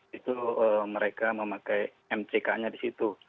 itu mereka memakai mck nya di situ